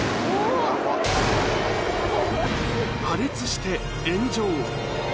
破裂して炎上。